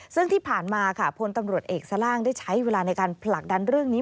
ซึ่งที่ผ่านมาค่ะพลตำรวจเอกสล่างได้ใช้เวลาในการผลักดันเรื่องนี้